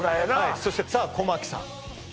そして小牧さん